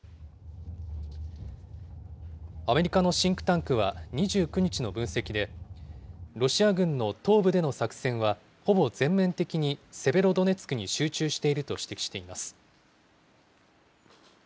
アメリカのシンクタンクは２９日の分析で、ロシア軍の東部での作戦はほぼ全面的にセベロドネツクに集中していると指摘しています。